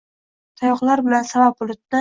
tayoqlar bilan savab bulutni